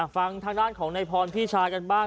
ฟังทางด้านของนายพรพี่ชายกันบ้าง